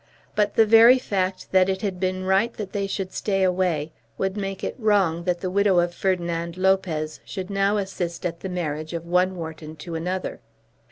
But the very fact that it had been right that they should stay away would make it wrong that the widow of Ferdinand Lopez should now assist at the marriage of one Wharton to another.